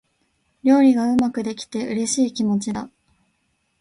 料理がうまくできて、嬉しい気持ちだ。